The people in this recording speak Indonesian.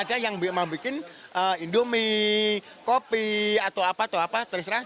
ada yang mau bikin indomie kopi atau apa apa terserah